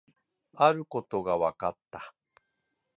あることが分かった